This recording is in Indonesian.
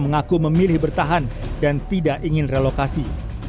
mengaku memilih bertahan dan tidak ingin relokasi